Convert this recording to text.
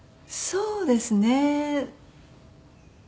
そうですね